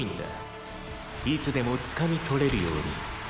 「いつでもつかみ取れるように己を高め